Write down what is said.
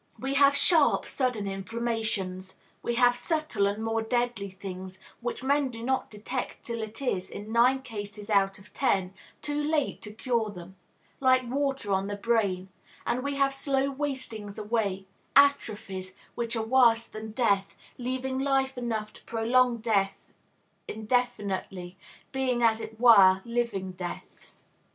We have sharp, sudden inflammations; we have subtle and more deadly things, which men do not detect till it is, in nine cases out of ten, too late to cure them, like water on the brain; and we have slow wastings away; atrophies, which are worse than death, leaving life enough to prolong death indefinitely, being as it were living deaths.